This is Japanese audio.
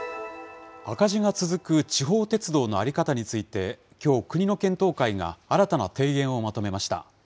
赤字が続く地方鉄道の在り方について、きょう、国の検討会が新たな提言をまとめました。